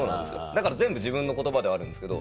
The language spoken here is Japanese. だから全部自分の言葉ではあるんですけど。